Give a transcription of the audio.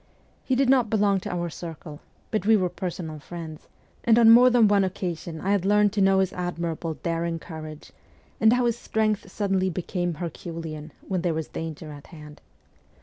He did not belong to our circle, but we were personal friends, and on more than one occasion I had learned to know his admirable, daring courage, and how his strength suddenly became herculean when there was danger at hand.